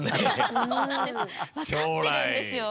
わかってるんですよ。